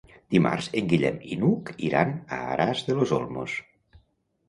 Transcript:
Dimarts en Guillem i n'Hug iran a Aras de los Olmos.